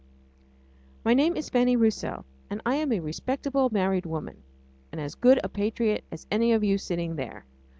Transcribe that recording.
My name is Fanny Roussell, and I am a respectable married woman, and as good a patriot as any of you sitting there.